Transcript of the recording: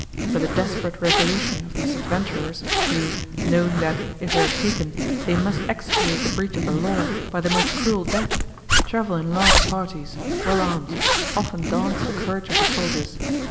But the desperate resolution of these adventurers, who, knowing, that, if they are taken, they must expiate the breach of the law by the most cruel death, travel in large parties, well armed, often daunts the courage of the soldiers.